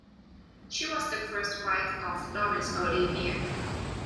She was the first wife of Laurence Olivier.